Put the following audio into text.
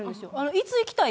いつ行きたい。